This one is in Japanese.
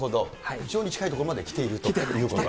非常に近いところまで来ているということなんですね。来てる。